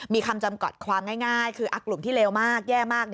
มีคำจำกัดความง่ายคือกลุ่มที่เลวมากแย่มาก